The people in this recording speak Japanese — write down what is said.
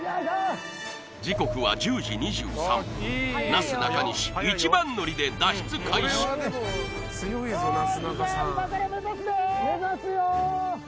時刻は１０時２３分なすなかにし一番乗りで脱出開始よしじゃあ目指すよ！